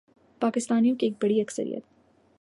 پاکستانیوں کی ایک بڑی اکثریت